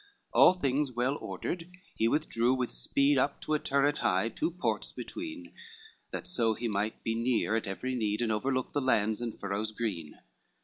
XII All things well ordered, he withdrew with speed Up to a turret high, two ports between, That so he might be near at every need, And overlook the lands and furrows green.